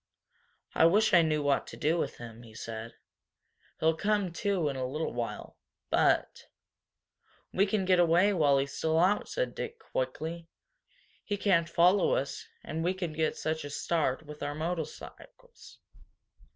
"I wish I knew what to do with him," he said. "He'll come to in a little while. But " "We can get away while he's still out," said Dick, quickly. "He can't follow us and we can get such a start with our motorcycles."